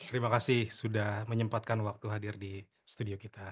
terima kasih sudah menyempatkan waktu hadir di studio kita